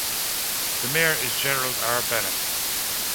The Mayor is Gerald R. Bennett.